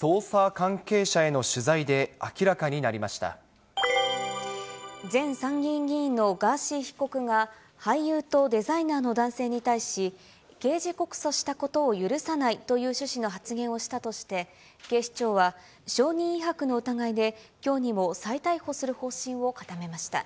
捜査関係者への取材で、前参議院議員のガーシー被告が、俳優とデザイナーの男性に対し、刑事告訴したことを許さないという趣旨の発言をしたとして、警視庁は証人威迫の疑いで、きょうにも再逮捕する方針を固めました。